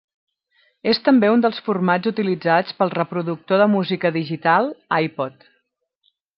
És també un dels formats utilitzats pel reproductor de música digital iPod.